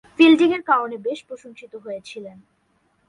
ফিল্ডিংয়ের কারণে বেশ প্রশংসিত হয়েছিলেন।